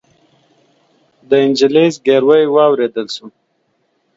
د نجلۍ زګيروی واورېدل شو.